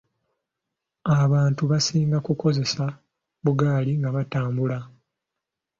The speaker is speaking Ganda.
Abantu basinga kukozesa bugaali nga batambula.